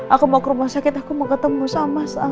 aku mau ke rumah sakit aku mau ketemu sama